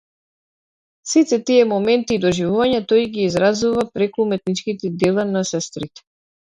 Сите тие моменти и доживувања тој ги изразува преку уметничките дела на сестрите.